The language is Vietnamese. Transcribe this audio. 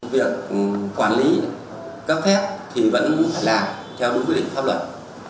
việc quản lý các phép thì vẫn là theo đúng quy định pháp luật